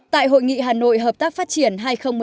tại hội nghị hà nội hợp tác phát triển hai nghìn một mươi